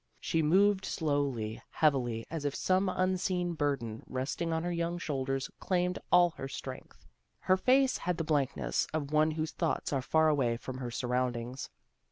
She moved slowly, heavily, as if some unseen burden, resting on her young shoulders, claimed all her strength. Her face had the blankness of one whose thoughts are far away from her surroundings.